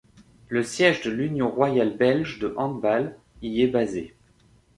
Le siège de l'Union royale belge de handball y est basé.